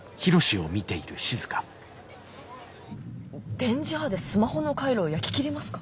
電磁波でスマホの回路を焼き切りますか？